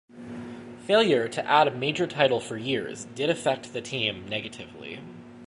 Failure to add a major title for years did affect the team negatively.